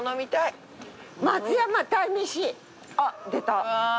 あっ出た。